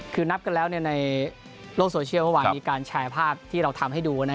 คือนับกันแล้วในโลกโซเชียลเมื่อวานมีการแชร์ภาพที่เราทำให้ดู